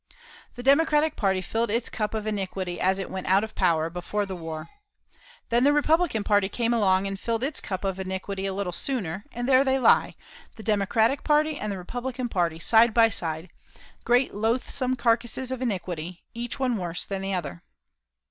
The Democratic party filled its cup of iniquity as it went out of power, before the war. Then the Republican party came along and it filled its cup of iniquity a little sooner; and there they lie, the Democratic party and the Republican party, side by side, great loathsome carcasses of iniquity, each one worse than the other.